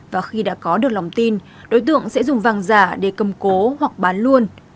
và khi đã có được lòng tin đối tượng sẽ dùng vàng giả để cầm cố hoặc bán luôn